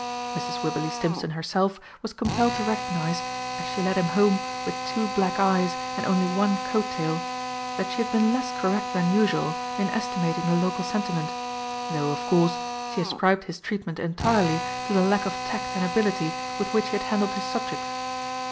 Mrs. Wibberley Stimpson herself was compelled to recognise, as she led him home with two black eyes and only one coat tail, that she had been less correct than usual in estimating the local sentiment, though, of course, she ascribed his treatment entirely to the lack of tact and ability with which he had handled his subject.